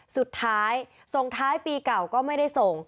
สุดท้ายส่งท้ายปีเก่าก็ไม่ได้ส่ง